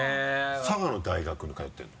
佐賀の大学に通ってるの？